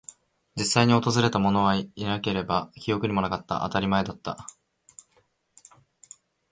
実際に訪れたものはいなければ、記憶にもなかった。当たり前だった。